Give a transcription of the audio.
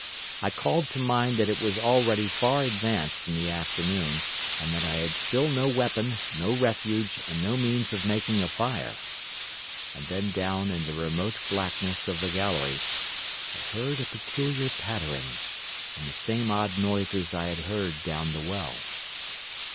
I called to mind that it was already far advanced in the afternoon, and that I had still no weapon, no refuge, and no means of making a fire. And then down in the remote blackness of the gallery I heard a peculiar pattering, and the same odd noises I had heard down the well.